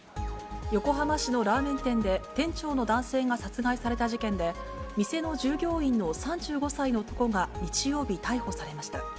横浜市のラーメン店で、店長の男性が殺害された事件で、店の従業員の３５歳の男が日曜日、逮捕されました。